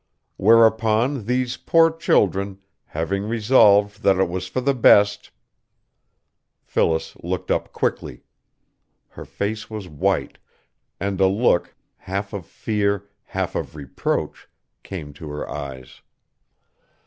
Whereupon these poor children, having resolved that it was for the best " Phyllis looked up quickly. Her face was white, and a look, half of fear, half of reproach, came to her eyes.